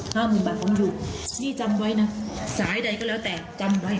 หมื่นบาทผมอยู่นี่จำไว้นะสายใดก็แล้วแต่จำไว้